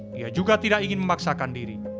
dia juga tidak ingin memaksakan diri